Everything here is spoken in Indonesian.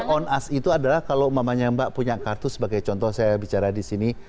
jadi on us itu adalah kalau mamanya mbak punya kartu sebagai contoh saya bicara di sini